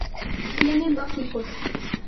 Tienen dos hijos.